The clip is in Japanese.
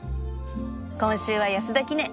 今週は安田記念。